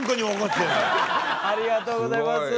ありがとうございます。